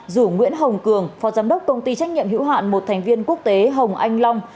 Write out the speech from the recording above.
rủ nguyễn hồng cường phó giám đốc công ty trách nhiệm hữu hạn một thành viên quốc tế hồng anh long